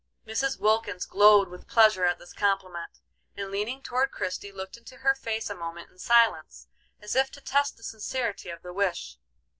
Mrs. Wilkins glowed with pleasure at this compliment, and leaning toward Christie, looked into her face a moment in silence, as if to test the sincerity of the wish.